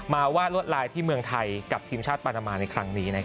วาดลวดลายที่เมืองไทยกับทีมชาติปานามาในครั้งนี้